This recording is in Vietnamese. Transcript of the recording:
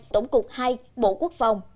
tổng cục hai bộ quốc phòng